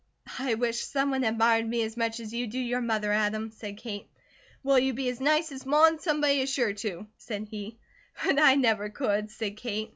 "I wish someone admired me as much as you do your mother, Adam," said Kate. "Well, you be as nice as Ma, and somebody is sure to," said he. "But I never could," said Kate.